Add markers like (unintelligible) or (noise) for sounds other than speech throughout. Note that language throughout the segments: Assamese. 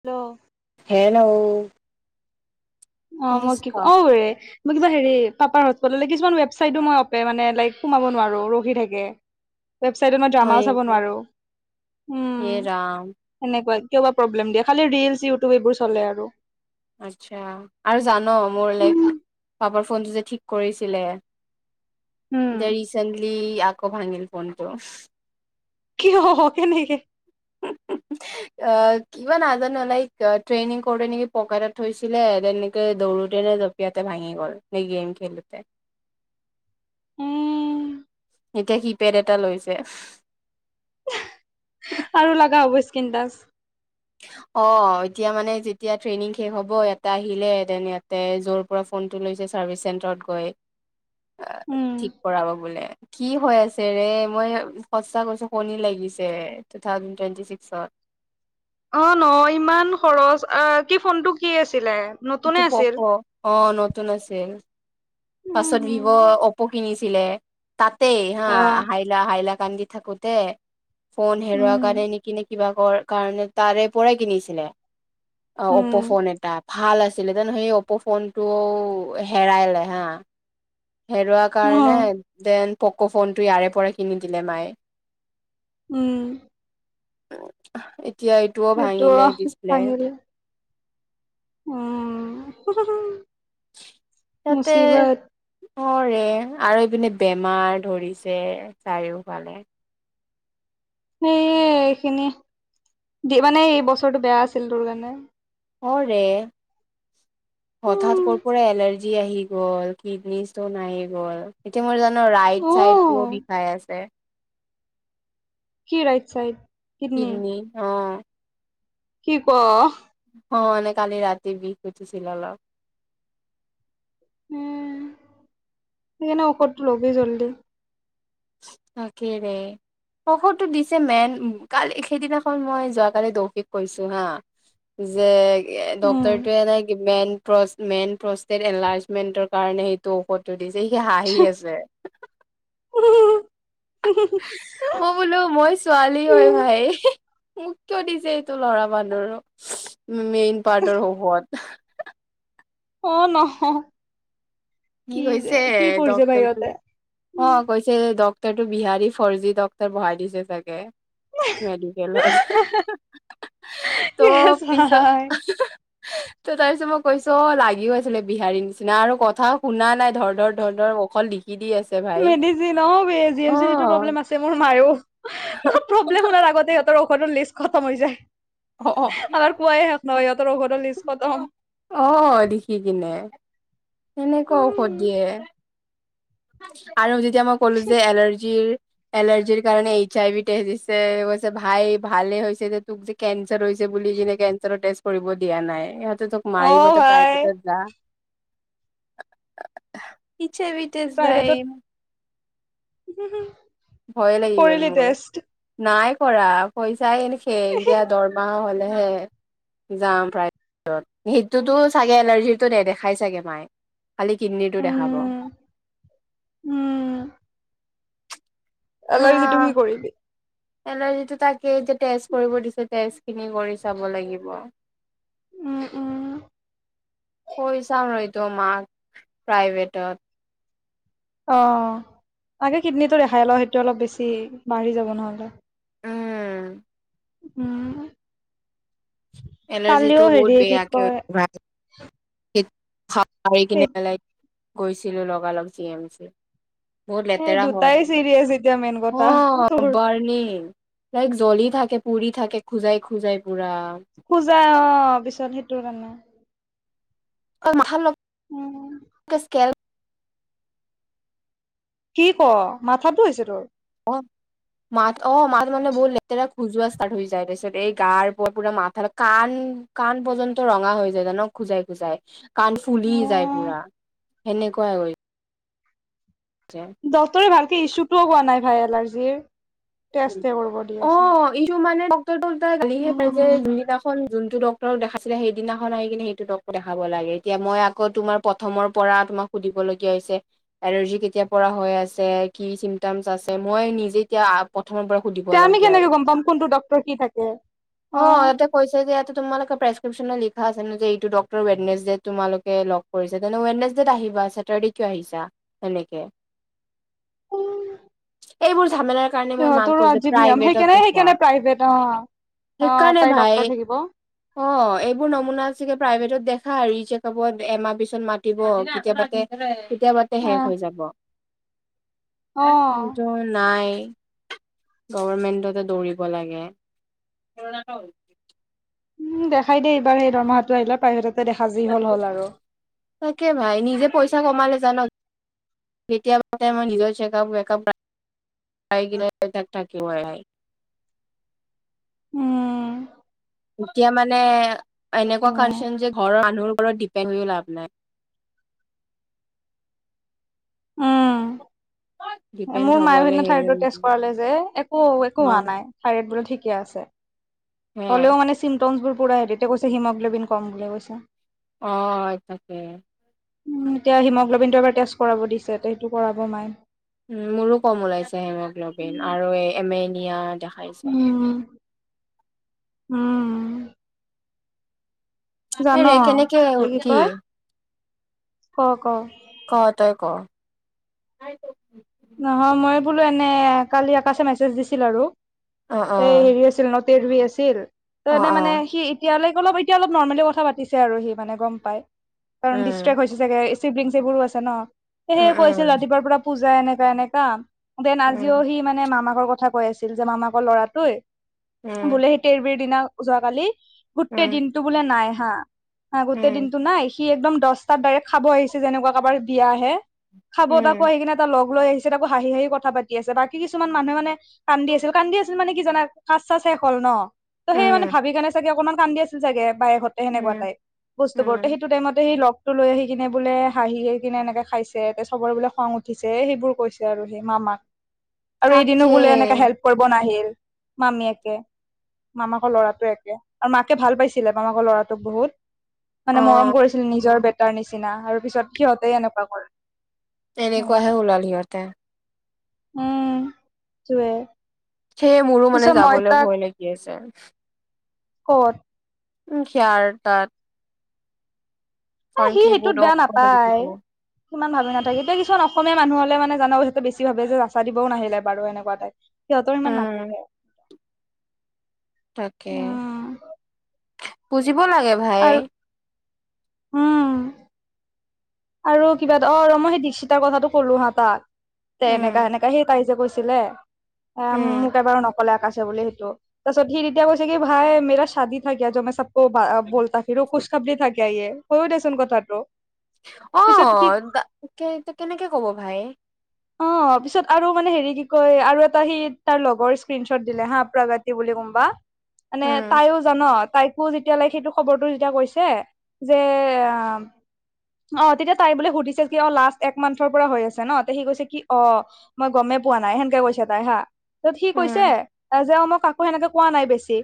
হেল্ল', হেল্ল', অহ, শুনিছ মই কি কো ঔ ৰে মই কিবা হেৰি পাপাৰ হটস্পট ল'লে, কিছুমান ৱেবচাইদো মই অপে- মানে লাইক, সোমাব নোৱাৰোঁ, ৰখি থাকে। ৱেবছাইটত মই হয় ড্ৰামাও চাব নেকি নোৱাৰো হে উম ৰাম সেনেকুৱাই কিবা প্ৰব্লেম দিয়ে খালি ৰিলচ, ইউটিউব এইবোৰ চলে আৰু। আচ্ছা। আৰু জান'? মোৰ লাইক পাপাৰ ফোনটো যে ঠিক কৰিছিলে উম এতিয়া ৰিচেণ্টলি আকৌ ভাঙিল ফোনটো। কি হব কেনেকে? অ', কিবা নাজানো লাইক ট্ৰেইনিং কৰে নেকি পকেটত থৈছিলে তেনেকে দৌৰুতে এৰে জপিয়াতে ভাঙি গ'ল, সেই গেম খেলোঁতে। উম। এতিয়া কি পেড এটা লৈছে আৰু লাগা হ'ব স্কিন টাচ। অ' এতিয়া মানে যেতিয়া ট্ৰেইনিং শেষ হ'ব, ইয়াতে আহিলেহেতেন ইয়াতে, যোৰ পৰা ফোনটো লৈছে ছাৰ্ভিচ চেণ্টাৰত গৈ অ' উম ঠিক কৰাব বোলে। কি হৈ আছে ৰে? মই সঁচা কৈছোঁ শনি লাগিছে, টু থাউজেন্ড টুৱেণ্টি ছিক্সত। অহ, ন' ইমান খৰচ আহ কি ফোন টো কি আছে এইটো প'ক', অ' নতুন আছে। উম পাছত ভিভ' হম অপ' কিনিছ ছিলে তাতেই হা অ হাইলা -হাইলা কান্দি থাকোতে ফোন হেৰুৱা উম কাৰণে নেকি ন কিবা কৰ কাৰণে তাৰে পৰাই কিনিছিলে অ' অপ্প' উম ফোন এটা, ভাল আছ ছিলেতেন সেই অপ' ফোনটোও হেৰাই লে হা হেৰুৱাৰ অ কাৰণে, দেন প'ক' ফোনটো ইয়াৰে পৰা কিনি দিলে মায়ে। উম। এতিয়া এইটোও সেইটো ভাঙিলে ডিছপ্লে। ভাঙিলে উম, হু- হু- হু মুচিবট। অহ ৰে আৰু এইপিনে বেমাৰ ধৰিছে চাৰিওফালে। সেই এইখিনি মানে এই বছৰটো বেয়া আছিল তোৰ কাৰণে। অ' ৰে। হঠাৎ উম ক'ৰ পৰা এলাৰ্জি আহি গল কিডনী স্তন আহি গল ৰাইট অ চাইড টোও বিষাই আছে। কি ৰাইট চাইড? কিডনী, অ'। কি - ক '? অহ, মানে কালি ৰাতি বিষ উঠিছিল অলপ। উম, সেইকাৰণে ঔষধটো ল'বি জল্দি। তাকে ৰে ঔষধটো দিছে মেইন কালি সেইদিনাখন মই যোৱাকালি দৌশিক কৈছোঁ হা যে উম ডক্তৰটোৱে এ নাই মেইন প্ৰচ -মেইন প্ৰষ্টেট এলাৰ্জমেণ্টৰ কাৰণে সেইটো ঔষধ এইযে হি হাঁহি আছে (unintelligible) মই বোলো মই ছোৱালী হয় ভাই মোক কিয় দিছে এইটো ল'ৰা মানুহৰ মেইন পাৰ্টৰ (unintelligible) অহ, নহয়। কৈছে ডক্টৰটো অহ কৈছে ডক তোৰটো বিহাৰী ফৰ্জী ডক্তৰ বহাই দিছে চাগে। মেডিকেলৰ (unintelligible) ত' ইয়েছ পিছত ভাই ত 'তাৰপিছত মই কৈছো অহ লাগিও আছিলে বিহাৰীৰ নিচিনা আৰু কথাও শুনা নাই ধৰ- ধৰ -ধৰ- ধৰ অকল কি মেডিচিন অ' বে। জি অ এম চিত ইটো প্ৰব্লেম আছে মোৰ মাৰো। প্ৰব্লেম শুনাৰ আগতে সিহঁতৰ ঔ ষধৰ লিষ্ট খতম হৈ যায়। অ আমাৰ কোৱাই শেষ নহয়, ইহঁতৰ ঔষধৰ লিষ্ট খতম। অ' দেখি কিনে। সেনেকুৱা ঔষধ দিয়ে। আৰু যেতিয়া মই ক'লো যে এলাৰ্জিৰ এলাৰ্জিৰ কাৰণে এইচ আই ভি টেষ্ট দিছে। কৈছে, ভাই ভালে হৈছে যে তোক যে কেন (unintelligible) বুলি কিনে কেঞ্চাৰৰ টেষ্ট কৰিব দিয়া নাই ইহঁতে তোক অ মাৰিব ভাই প্ৰাইভেটত যা পিছে বিতেশ ভাই হঁ-হঁ-হঁ। ভয়ে লাগি গ'ল মোৰ। নাই কৰা। কৈছ যায় এ নেকে, এতিয়া দৰমাহা হলেহে যাম প্ৰায়ভেটত হেইটোতো চাগে এলাৰ্জিটো নেদেখাই চাগে মায়ে। খালি কিডনীৰটো দেখাব। উম হা এলই যিটো কি কৰিবি? এলাৰ্জিটো তাকেই যে টেষ্ট কৰিব দিছে। টেষ্টখিনি কৰি চাব লাগিব। উম উম কৰি চাম ৰ' তোমাক প্ৰাইভেটত অহ, আগে কিডনীটো ৰেহাই ল সেইটো অলপ বেছি বাঢ়ি যাব নহ'লে। উম উম, (inaudible) এলাৰ্জিটো কালিও বহুত হেৰি কি কয় (unintelligible) মাৰি কিনে সেই পেলাই গৈছিলো লগালগ জি এম চি। বহুত এই লেতেৰা দুটাই চিৰিয়াছ এতিয়া মেইন হয় কথা তোৰ অহ বাৰ নি? লাইক জ্বলি থাকে পুৰি থাকে খোজাই- খোজাই পুৰা।। খোজাই অ' পিছত সেইটোৰ কাৰণে অক্কো মাথাৰ লগ উম। কি ক' মাথাতো হৈছে তোৰ? মা অ মাত মানে বহুত লেটেৰা (unintelligible) খুজোৱা ষ্টাৰ্ট হৈ যায় তাৰ পিছত এই গাৰ পৰা পুৰা মাথাৰ কান-কান পৰ্যন্ত ৰঙা হৈ যায় জান খোজাই -খোজাই কাণ ফুলি অ যায় পুৰা সেনেকুৱা হৈ। গৈছে ডক্তৰে ভালকে ইছুটোও কোৱা নাই ভাই এলাৰ্জিৰ টেষ্ট হে কৰিব দি আছে। উল্টা হৈ গল উল্টা হৈ গালি হে খাইছে পাই যে উম, যোনদিনাখন। টো ডটৰক দেখাছিলে সেইদিনাখন আহি কিনে সেইটো ডক্টৰ দেখাব লাগে এতিয়া মই আকৌ তোমাৰ প্ৰথমৰ পৰা তোমাক। সুধিবলগীয়া হৈছে এলাৰ্জি কেতিয়া পৰা হৈ আছে কি চিমটমচ আছে মই নিজে এতিয়া প্ৰথম পৰা সুধিব এতিয়া আমি লগীয়া আৰু কেনেকে গম পাম কোনটো ডক্তৰ কি থাকে অহ অ'। ইহতে কৈছে যে ই তোমালোকে প্ৰেছক্ৰিপ্যনত লিখাছে ন'যে এইটো ডক্টৰ ৱেডনেছ ডে তোমালোকে লগ কৰিছা তেনে ৱেডনেছ ডেট আহিবা। বা ছেটাৰ্ডে কিয় আহিছা তেনেকে। (inaudible) এইবোৰ ঝামেলাৰ কাৰণে মই মাক সিহঁতৰো কও যে আজীৱ নিয়ম প্ৰাইভেটত সেইকাৰণে দেখুওৱা। সেইকাৰণে প্ৰাইভেট অ', অ', সেইকাৰণে এটাই ডক্তৰ ভাই থাকিব। অহ এইবোৰ নমুনা বেছিকে প্ৰাইভেটত দেখাই ই চেক আপত এমাহ পিছত মাতি কেতিয়াবাতে কেতিয়া মাতে শেষ অ', হৈ যাব। অ', সেইতো নাই। গভমেন্টতে দৌৰিব লাগে। উম, দেখাই দে এইবাৰ সেই দৰমহাটো আহিলে প্ৰাইভেটত। তাকে ভাই নিজে পইচা কমালে (unintelligible) কেতিয়াবা মই নিজৰ চেকআপ ৱেকাপ (unintelligible) পাই কিনে তাই তাত থাকিব যায়। (inaudible) উম, এতিয়া মানে এনেকুৱা উম। কাৰণচন যে ঘৰৰ মানুহৰ ঘৰত কেনও লাভ নাই উম। ডিপেণ্ড মোৰ মায়ে হবলে হেইডনা থাইৰেডৰ টেষ্ট হেৰি কৰালে যে একো- একো অ হোৱা নাই থাইৰেড বোলে ঠিকে আছে। হে হলেও মানে চিমটমছবোৰ পূৰা হেৰিতে এই কৰে হেৰীতে কৈছে হিমগ্লবিন কম বুলি কৈছে। অহ, তাকে। উম, এতিয়া হিমগ্ল'বিনটো এবাৰ টেষ্ট কৰাব দিছে সেইটো কৰাব মাই। উম, মোৰো কম ওলাইছে হেমোগ্লবিন আৰু এমেনিয়া দেখাইছা উম, উম তাকে জান ৰে কেনেকে যে কি কয় ক ক ক' ত? তই ক- নহয় মই বোলো এনে কালি আকাশে মেছেজ দিছিল আৰু অ', এই অ', হেৰি আছিল ন' তেৰ বি আছিল ত অ', এনে মানে অ', সি এতিয়ালৈ অলপ এতিয়া অলপ নৰ্মেলি কথা পাতিছে আৰু সি মানে গম পাই কাৰণ ডিচ ট্ৰেক উম, হৈছে চাগে। শিৱলিং চবৰো আছে ন' উম, সেয়ে কৈছিল উম, ৰাতিপোৱাৰ পৰা পূজা এনেকা- এনেকা দেন আজিও উম, সি মানে মামাকৰ কথা কৈ আছিল যে মামাকৰ ল'ৰাটোই বোলে সেইতেৰ বিৰ দিনা যোৱাকালি উম, গোটেই দিনটো বোলে নাই হা গোটেই উম, দিনটো না সি একদম দচটাত ডাইৰেক্ট খাব আহিছে যেনেকুৱা কাৰোবাৰ বিয়াহে। খাব উম, তাকো উম, আহি কিনে এটা লগ লৈ আহিছে তাকো হাঁহি -হাঁহি কথা পাতি আছে বাকী কিছুমান মানুহে মানে কান্দি আছিল- কান্দি আছিল মানে কি জানা কাজ-চাজ শেষ হল ন', ত' সেই মানে উম, ভাবি কেনে চাগে অকমান। কান্দি আছিল ছাগে বাইকহতে উম, সেনেকুৱাটে বস্তু উম, বোৰো সেইটো টাইমতে সে লগ টো লৈ আহি কিনে বোলে হাঁহি -হাঁহি কিনে এনেকে খাইছে চবৰে বোলে খং উঠিছে। সেইবোৰ কৈছে আৰু সেই মামাক আৰু এদিনো তাকে বোলে এনেকে হেল্প কৰিব নাহিল মামিয়েকে মামাকৰ ল'ৰাটোৱে একে আৰু মাকে ভাল পাইছিলে মামাকৰ ল'ৰাটোক বহুত। মানে অ', মৰম কৰিছিল নিজৰ বেটাৰ নিচিনা আৰু পিছত সিহঁতে এনেকুৱা কৰে। সেয়ে তেনেকুৱাহে ওলাল সিহতে। উম, তোৱে। সেয়ে মোৰো মানে যাবলৈ ভয় লাগি আছে। কত? উম, সিয়াৰ তাত অহ, কাৰণ সি কি সেইটোত বহুত বেয়া অকলে লাগিব। নাপায়। সিমান ভালো নাথাকে এতিয়া কিছুমান অসমীয়া মানুহ হলে মানে জানো যিটো বেছি ভাবে জাচা দিবও নাহিল এবাৰো এনেকুৱা টাইপ সিহঁতৰ ইমান উম, নাথাকে।। তাকে। উম দিব লাগে ভাই। হম আৰু কিবা এটা অহ ৰ' মই সেই দীক্ষিতাৰ কথাটো ক'লো হা তাক তে উম। এনেকা সেনেকা সেই তাই যে কৈছে ছিলে এ উম। মোক এবাৰ নকলে আকাশে বুলি সেইটো তাৰপিছত সি তেতিয়া কৈছে কি ভাই মেৰা শাদি কিয়া য মে চব ক বলতা কিৰো খোচ খাবৰি থা কিয়া ইয়ে হয়ও দেচোন কথাটো পিছত সি অ', কেনেকে কব ভাইয়ে অহ, পিছত আৰু মানে হেৰি কি কয় আৰু এটা সি তাৰ লগৰ স্ক্ৰীনশ্বট দিলে হা প্ৰবট কি বুলি কম বা মানে উম। তাইও জান। তাইকো যেতিয়ালৈকে সেইটো খবৰটো যেতিয়া কৈছে যে অহ, তেতিয়া তাই বোলে সুধিছিল কিয় লাষ্ট এক মান্থৰ পৰা হৈ আছে ন সি কৈছে কি অহ মই গমেই পোৱা নাই সেনকে কৈছে তাই হা সি কৈছে উম এ যা মই কা কো সেনেকে কোৱা নাই বেছি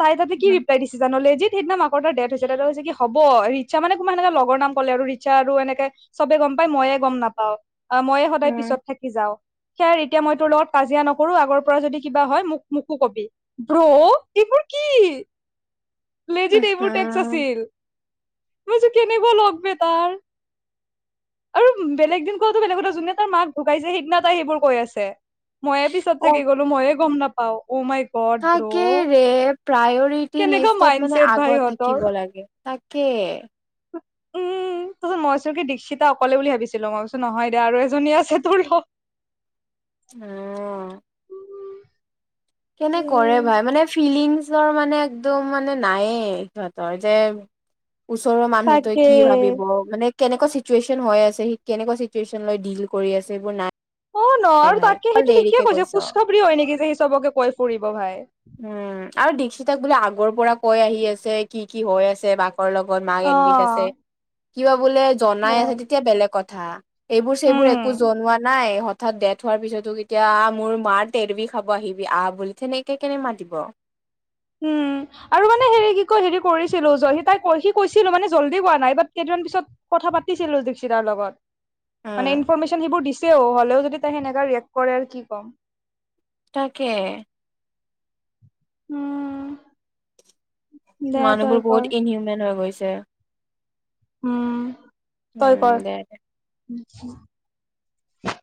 তাই তাতে কি উম ৰিপ্লাই দিছে জান লেইজীত ঠিকদিনা আাকৰ তাৰ ডেথ হৈছে তে কৈ সিদনা নকৰবা দেদ হৈছে কি হ'ব ৰিছা মানে কোনোবা এনেকাঁ লগৰ নাম ক'লে আৰু ৰিছা আৰু এনেকে চবে গম পাই ময়ে গম নাপাও অহ ময়ে সদায় উম। পিছত। থাকি যাও সেয়া এতিয়া মই তোৰ লগত কাজিয়া নকৰো আগৰ পৰা যদি কিবা হয় মোক মোকো কবি অ', এইবোৰ কি প্লেজিত উম, এইবোৰ টেক্স হুম। আছিল। মই কৈছো কেনেকোৱা লগবে তাৰ। আৰু বেলেগ দিন কওঁতে বেলেগত আছোঁনে যোনে তাৰ মাক শুকাইছে সিদিনা তাই সেইবোৰ কৈ আছে ময়ে পিছত থাকি গলো ময়ে গম নাপাও ঔ মাই গড তাকেই ব্ৰ' ৰে প্ৰায়ৰিটি কেনেকা লিষ্টত মাইণ্ড মানে ছেট ভাই আগত ইহঁতৰ। থাকিব লাগে। তাকে। উম তাৰছত মই আছো কি দীক্ষিতা অকলে বুলি ভাবিছিলো মই ভাবছো নহয় দে আৰু এজনী আছে তোৰ লগ। উম। কেনে কৰে উম, ভাই মানে ফিলিংছ ছৰ মানে একদম মানে নায়েই সিহঁতৰ যে ওচৰৰ তাকে। মানুহতোৱে কি ভাবিব মানে কেনেকুৱা চিটুৱেচন হৈ আছে সি কেনেকুৱা চিটুৱেচন লৈ ডিল কৰি আছে এইবোৰ নাই। অহ, নাই ন'আৰু ভাই তাকে অকল সেইটো ঠিকে দেৰিকে কৈছে কৈছ। খোজখাবৰি হয় নেকি যে সি চবকে কৈ ফুৰিব ভাই। উম, আৰু দিক্ষিতাক বোলে আগৰ পৰা কৈ আহি আছে কি- কি হৈ আছে মাকৰ লগত মাক এডমিট আছে অ' কিয় বোলে জনাই আছে তেতিয়া বেলেগ কথা এইবোৰ চেইবোৰ একো উম। জনোৱা নাই হঠাত ডেথ হোৱাৰ পিছতো কেতিয়া মোৰ মাৰ তেৰবি খাব আহিবি আহ বুলি তেনেকে কেনে মাতিব উম আৰু মানে হেৰি কি কয় হেৰি কৰিছিলো সি তাই সি কৈছিলো মানে জল্দি কোৱা নাই বাট মান পিছত কথা পাতিছিলো দীপসিতাৰ লগত। মানে উম ইনফৰমেশ্যন সেইবোৰ দিছেও হ'লেও যদি তাই সেনেকা ৰিয়েক্ট কৰে আৰু কি ক'ম। তাকে উম। দে তই মানুহবোৰ কৰ বহুত ইনহিউমেন হৈ গৈছে? উম তই উম কৰ। দে